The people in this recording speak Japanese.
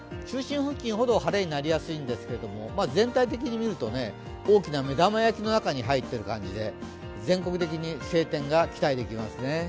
中心付近ほど晴れになりやすいんですけど全体的に見ると、大きな目玉焼きの中に入っている感じで、全国的に晴天が期待できますね。